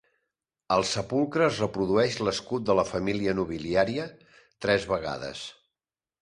Al sepulcre es reprodueix l'escut de la família nobiliària, tres vegades.